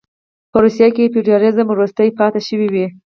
په روسیه کې فیوډالېزم وروستۍ پاتې شوې وې.